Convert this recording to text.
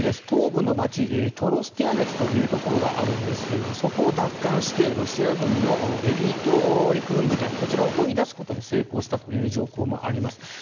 東部の街トロスティアネツというところがあるんですがそこを奪還してロシア軍のエリート陸軍部隊こちらを追い出すことに成功したという情報もあります。